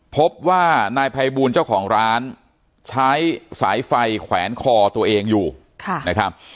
พบว่านายภัยบูลเจ้าของร้านใช้สายไฟแขวนคอตัวเองอยู่นะครับ